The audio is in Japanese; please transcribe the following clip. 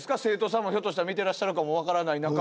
生徒さんもひょっとしたら見てらっしゃるかも分からない